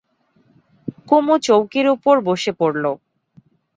কুমু চৌকির উপর বসে পড়ল।